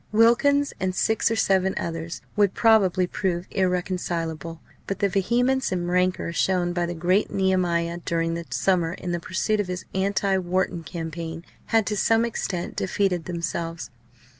Wilkins and six or seven others would probably prove irreconcilable; but the vehemence and rancour shown by the great Nehemiah during the summer in the pursuit of his anti Wharton campaign had to some extent defeated themselves.